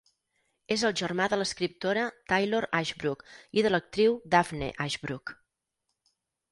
És el germà de l'escriptora Taylor Ashbrook i de l'actriu Daphne Ashbrook.